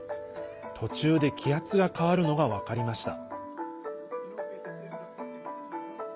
途中で気圧が変わるのが分かりました。